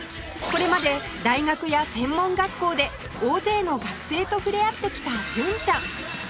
これまで大学や専門学校で大勢の学生と触れ合ってきた純ちゃん